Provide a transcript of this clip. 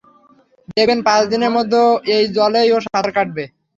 দেখবেন পাঁচ দিনের মধ্যে এই জলেই ও সাঁতার কাটবে।